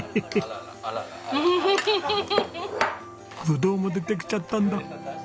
ブドウも出てきちゃったんだ。